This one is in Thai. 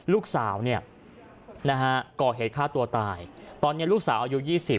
ลูกสาวเนี่ยนะฮะก่อเหตุฆ่าตัวตายตอนนี้ลูกสาวอายุ๒๐